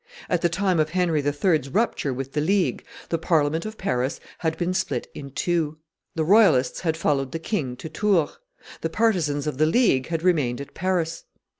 At the time of Henry III.'s rupture with the League, the Parliament of Paris had been split in two; the royalists had followed the king to Tours, the partisans of the League had remained at Paris.